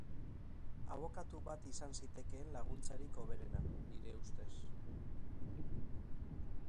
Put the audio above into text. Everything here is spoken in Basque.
Abokatu bat izan zitekeen laguntzarik hoberena, nire ustez.